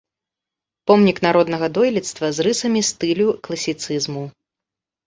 Помнік народнага дойлідства з рысамі стылю класіцызму.